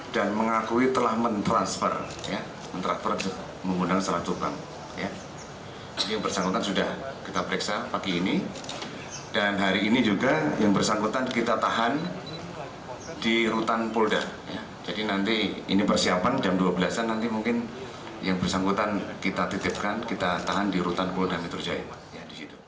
di rutan polda jadi nanti ini persiapan jam dua belas an nanti mungkin yang bersangkutan kita titipkan kita tahan di rutan polda metro jaya